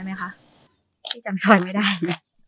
ไม่จำพูดถอยไม่ได้